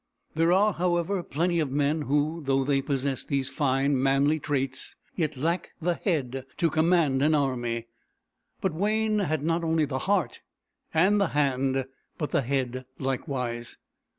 There are, however, plenty of men who, though they possess these fine manly traits, yet lack the head to command an army; but Wayne had not only the heart and the hand but the head likewise.